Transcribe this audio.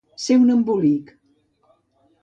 Ser un embolic.